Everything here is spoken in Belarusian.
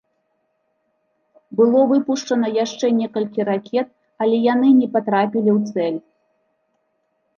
Было выпушчана яшчэ некалькі ракет, але яны не патрапілі ў цэль.